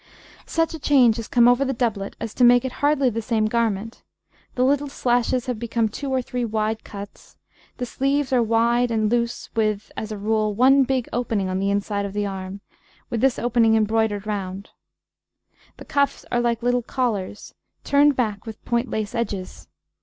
[Illustration: {A doublet}] Such a change has come over the doublet as to make it hardly the same garment; the little slashes have become two or three wide cuts, the sleeves are wide and loose with, as a rule, one big opening on the inside of the arm, with this opening embroidered round. The cuffs are like little collars, turned back with point lace edges.